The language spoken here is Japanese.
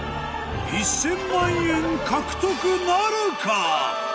１０００万円獲得なるか？